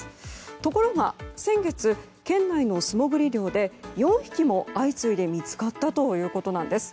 ところが先月、県内の素潜り漁で４匹も相次いで見つかったということなんです。